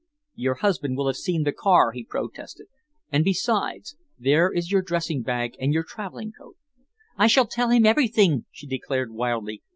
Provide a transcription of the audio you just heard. "Your husband will have seen the car," he protested. "And besides, there is your dressing bag and your travelling coat." "I shall tell him everything," she declared wildly.